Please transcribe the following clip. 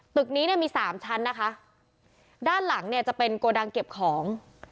ตึกนี้เนี่ยมีสามชั้นนะคะด้านหลังเนี่ยจะเป็นโกดังเก็บของ